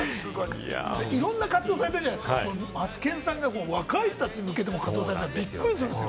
いろんな活動されてるじゃないですか、マツケンさんが若い人たちに向けて活動されてびっくりするんですよ。